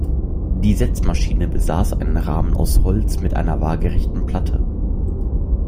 Die Setzmaschine besaß einen Rahmen aus Holz mit einer waagrechten Platte.